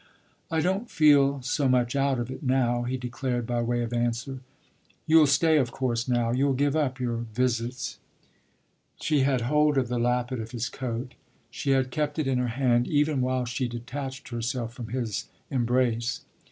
"I don't feel so much out of it now!" he declared by way of answer. "You'll stay of course now you'll give up your visits?" She had hold of the lappet of his coat; she had kept it in her hand even while she detached herself from his embrace.